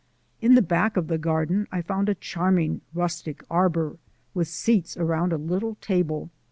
In the back of the garden I found a charming rustic arbour with seats around a little table.